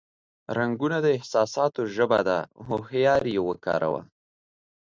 رنگونه د احساساتو ژبه ده، هوښیار یې وکاروه.